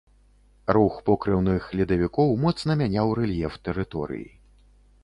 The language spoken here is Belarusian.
Рух покрыўных ледавікоў моцна мяняў рэльеф тэрыторыі.